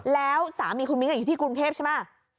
แล้วสามีคุณมิ้งอยู่ที่กรุงเทพใช่ไหม